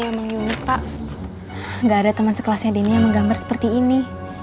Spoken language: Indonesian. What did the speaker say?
memang unit pak enggak ada teman sekelasnya deni yang menggambar seperti ini